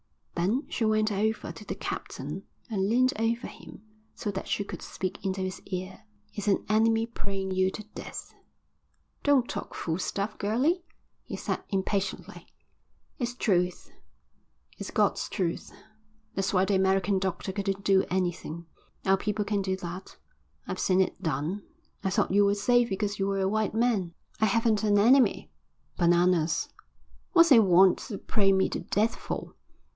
Then she went over to the captain and leaned over him so that she could speak into his ear. "It's an enemy praying you to death." "Don't talk fool stuff, girlie," he said impatiently. "It's truth. It's God's truth. That's why the American doctor couldn't do anything. Our people can do that. I've seen it done. I thought you were safe because you were a white man." "I haven't an enemy." "Bananas." "What's he want to pray me to death for?"